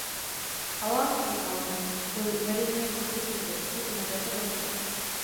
Allan i Allen byli uvedeni jako tvůrci textu i na této verzi.